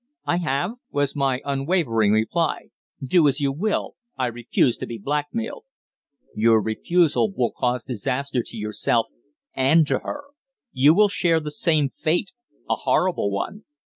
"I have," was my unwavering reply. "Do as you will, I refuse to be blackmailed." "Your refusal will cause disaster to yourself and to her! You will share the same fate a horrible one.